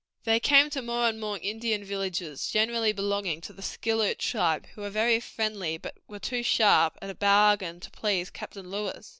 They came to more and more Indian villages, generally belonging to the Skilloot tribe, who were very friendly, but who were too sharp at a bargain to please Captain Lewis.